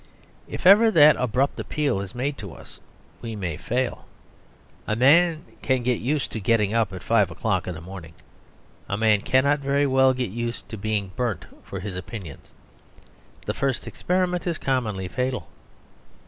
If ever that abrupt appeal is made to us we may fail. A man can get use to getting up at five o'clock in the morning. A man cannot very well get used to being burnt for his opinions; the first experiment is commonly fatal.